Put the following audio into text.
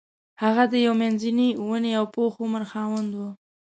هغه یو د منځني ونې او پوخ عمر خاوند و.